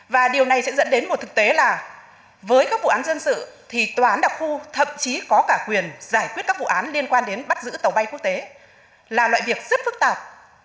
và điều này sẽ dẫn đến một thực tế là với các vụ án dân sự thì tòa án đặc khu thậm chí có cả quyền giải quyết các vụ án liên quan đến bắt giữ tàu bay quốc tế là loại việc rất phức tạp